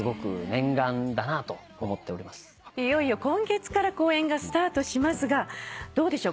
いよいよ今月から公演がスタートしますがどうでしょう？